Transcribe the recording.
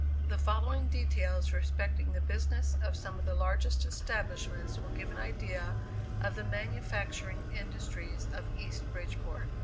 The following details respecting the business of some of the largest establishments will give an idea of the manufacturing industries of East Bridgeport.